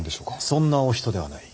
そんなお人ではない。